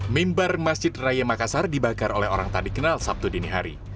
mimbar masjid raya makassar dibakar oleh orang tadi kenal sabtu dinihari